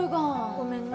ごめんな。